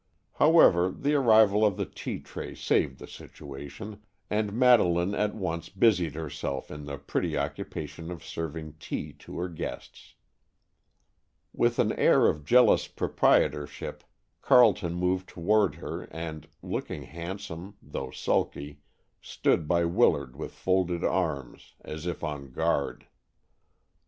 However, the arrival of the tea tray saved the situation, and Madeleine at once busied herself in the pretty occupation of serving tea to her guests. With an air of jealous proprietorship, Carleton moved toward her and, looking handsome, though sulky, stood by Willard with folded arms, as if on guard.